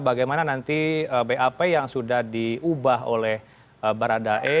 bagaimana nanti bap yang sudah diubah oleh baradae